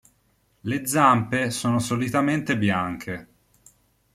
Le zampe sono solitamente bianche.